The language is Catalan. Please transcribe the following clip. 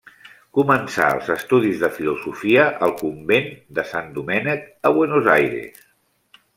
Començà els estudis de filosofia al convent de Sant Domènec a Buenos Aires.